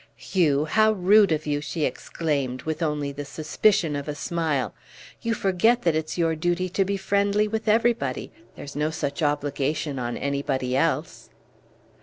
"Hugh, how rude of you!" she exclaimed, with only the suspicion of a smile. "You forget that it's your duty to be friendly with everybody; there's no such obligation on anybody else."